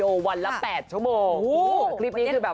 ออกงานอีเวนท์ครั้งแรกไปรับรางวัลเกี่ยวกับลูกทุ่ง